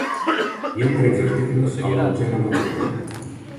Hi han tretze articles a la dotzena d'un forner.